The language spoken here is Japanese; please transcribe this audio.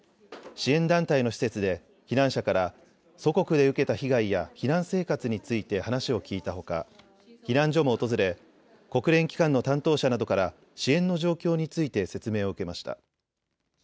支援団体の施設で避難者から祖国で受けた被害や避難生活について話を聞いたほか避難所も訪れ、国連機関の担当者などから支援の状況について説明を受けました。